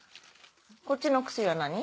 こっちのお薬は何？